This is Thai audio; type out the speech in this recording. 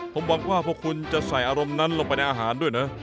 ผมหวังว่าพวกคุณจะใส่อารมณ์นั้นลงไปในอาหารด้วยนะ